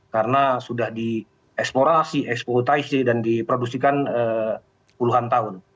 karena sudah dieksplorasi eksplorasi dan diproduksikan puluhan tahun